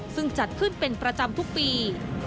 ซึ่งจัดขึ้นเป็นประจำทุกปี